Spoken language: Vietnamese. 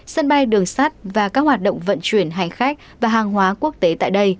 sân bay đường sát và các hoạt động vận chuyển hành khách và hàng hóa quốc tế tại đây